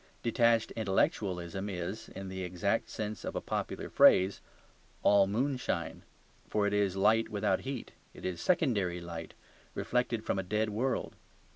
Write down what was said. Detached intellectualism is (in the exact sense of a popular phrase) all moonshine; for it is light without heat, and it is secondary light, reflected from a dead world.